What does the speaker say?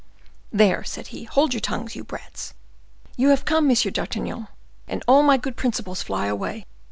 "There!" said he, "hold your tongues, you brats! You have come, M. d'Artagnan, and all my good principles fly away.